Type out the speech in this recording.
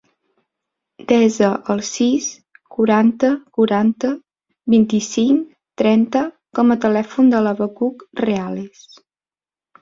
Desa el sis, quaranta, quaranta, vint-i-cinc, trenta com a telèfon del Abacuc Reales.